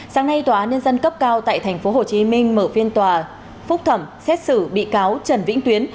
sáng nay tòa án nhân dân cấp cao tại tp hcm mở phiên tòa phúc thẩm xét xử bị cáo trần vĩnh tuyến